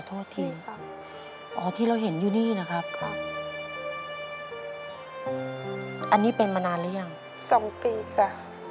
สองปีค่ะ